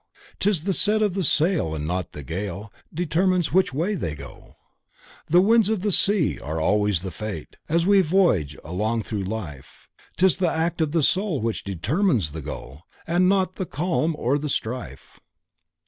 'Tis the set of the sail, and not the gale, Which determines the way they go. As the winds of the sea are the ways of fate As we voyage along through life. 'Tis the act of the soul, which determines the goal And not the calm or the strife."